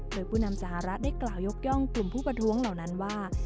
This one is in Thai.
โดยผู้นำสหรัฐได้กล่าวยกย่องกลุ่มผู้ประท้วงเหล่านั้นว่า